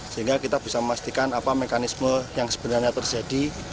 sehingga kita bisa memastikan apa mekanisme yang sebenarnya terjadi